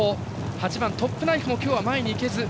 ８番トップナイフも前にいけず。